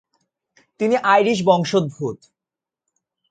তিনি আইরিশ বংশোদ্ভূত।